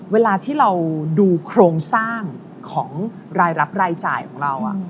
เวลาที่เราดูโครงสร้างของรายรับรายจ่ายของเรา